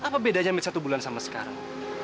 apa bedanya mit satu bulan sama sekarang